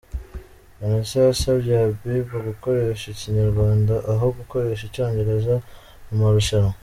Vanessa yasabye Habiba gukoresha ikinyarwanda aho gukoresha icyongereza mu marushanwa.